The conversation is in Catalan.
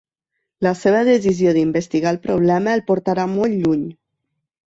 La seva decisió d'investigar el problema el portarà molt lluny.